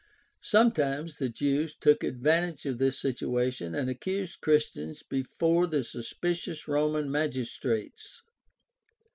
Sometimes the Jews took advantage of this situation and accused Christians before the suspicious Roman magistrates.